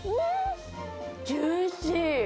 ジューシー。